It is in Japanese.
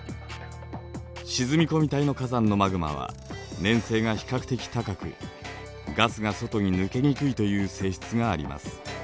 沈み込み帯の火山のマグマは粘性が比較的高くガスが外に抜けにくいという性質があります。